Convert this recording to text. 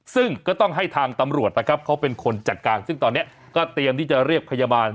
ซึ่งก็ต้องให้ทางตำรวจนะครับเขาเป็นคนจัดการซึ่งตอนนี้ก็เตรียมที่จะเรียกพยาบาล